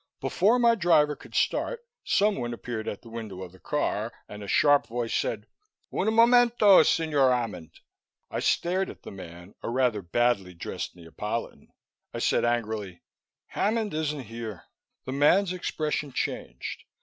Before my driver could start, someone appeared at the window of the car and a sharp voice said, "Un momento, Signore 'Ammond!" I stared at the man, a rather badly dressed Neapolitan. I said angrily, "Hammond isn't here!" The man's expression changed.